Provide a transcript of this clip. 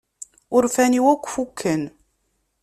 Urfan-iw akk fukken.